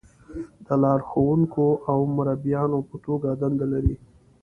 د لارښونکو او مربیانو په توګه دنده لري.